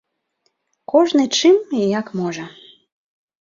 Кожны чым і як можа.